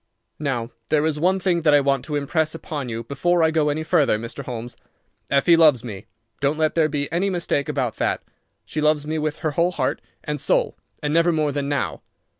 "Now there is one thing that I want to impress upon you before I go any further, Mr. Holmes. Effie loves me. Don't let there be any mistake about that. She loves me with her whole heart and soul, and never more than now.